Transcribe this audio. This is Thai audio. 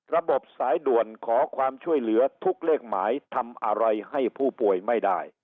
ระบบสายด่วนขอความช่วยเหลือทุกเลขหมายทำอะไรให้ผู้ป่วยไม่ได้